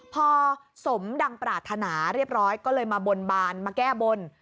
พอสมดังปรารถนาเรียบร้อยก็เลยมาบนบานมาแก้บน